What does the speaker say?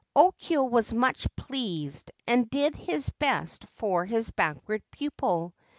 Okyo was much pleased, and did his best for his backward pupil.